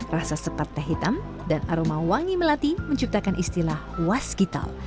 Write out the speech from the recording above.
rasa sepat teh hitam dan aroma wangi melati menciptakan istilah waskital